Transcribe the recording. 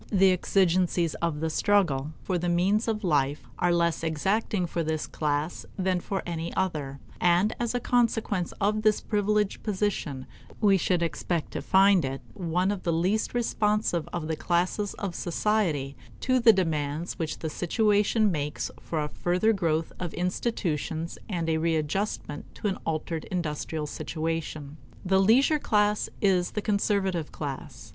The exigencies of the struggle for the means of life are less exacting for this class than for any other; and as a consequence of this privileged position we should expect to find it one of the least responsive of the classes of society to the demands which the situation makes for a further growth of institutions and a readjustment to an altered industrial situation. The leisure class is the conservative class.